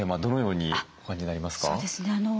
どのようにお感じになりますか？